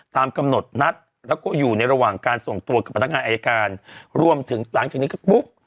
ตามกำหนดนัดแล้วก็อยู่ในระหว่างการส่งตัวกับพนักงานอายการรวมถึงหลังจากนี้ก็ปุ๊บ